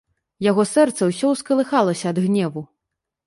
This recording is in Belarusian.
Яго сэрца ўсё ўскалыхалася ад гневу.